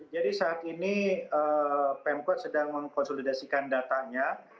jadi saat ini pemkot sedang mengkonsolidasikan datanya